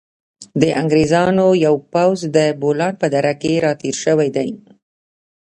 د انګریزانو یو پوځ د بولان په دره کې را تېر شوی دی.